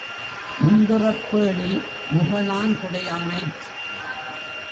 முந்துறப் பேணி முகநான் குடையானைச்